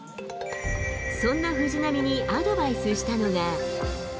そんな藤浪にアドバイスしたのが。